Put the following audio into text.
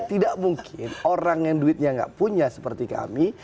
jadi tidak mungkin orang yang duitnya nggak punya seperti kami